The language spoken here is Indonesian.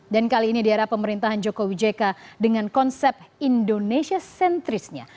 dan kali ini di arah pemerintahan joko widjeka dengan konsep indonesia sentrisnya